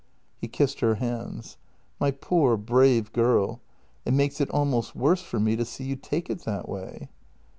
He kissed her hands: "My poor, brave girl! It makes it almost worse for me to see you take it that way."